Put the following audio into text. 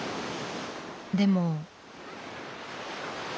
でも。